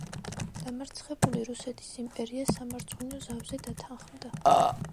დამარცხებული რუსეთის იმპერია სამარცხვინო ზავზე დათანხმდა.